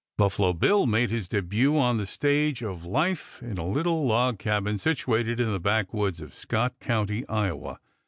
Buffalo Bill made his debut upon the stage of life in a little log cabin situated in the backwoods of Scott County, Iowa.